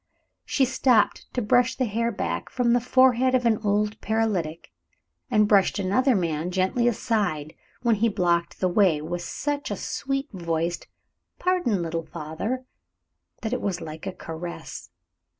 She stopped to brush the hair back from the forehead of an old paralytic, and pushed another man gently aside, when he blocked the way, with such a sweet voiced "Pardon, little father," that it was like a caress.